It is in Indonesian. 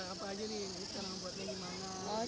apa aja ini cara membuatnya gimana